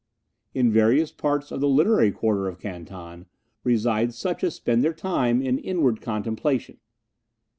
In various parts of the literary quarter of Canton Reside such as spend their time in inward contemplation.